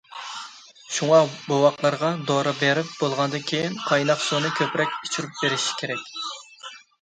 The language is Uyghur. شۇڭا، بوۋاقلارغا دورا بېرىپ بولغاندىن كېيىن قايناق سۇنى كۆپرەك ئىچۈرۈپ بېرىش كېرەك.